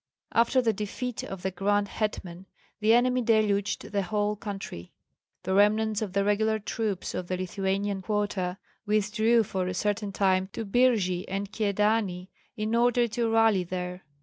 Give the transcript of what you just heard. After the defeat of the grand hetman, the enemy deluged the whole country. The remnants of the regular troops of the Lithuanian quota withdrew for a certain time to Birji and Kyedani, in order to rally there.